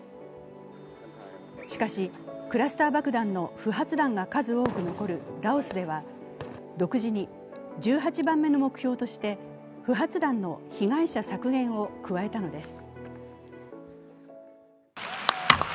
しかし、クラスター爆弾の不発弾が数多く残るラオスでは独自に１８番目の目標として不発弾の被害者削減を加えたのです。